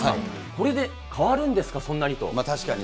これで変わるんですか、そんなに確かに。